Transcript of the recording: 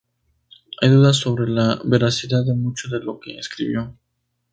Hay dudas sobre la veracidad de mucho de lo que escribió.